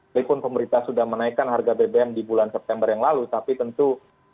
walaupun pemerintah sudah menaikkan harga bbm di bulan september yang lalu tapi tentu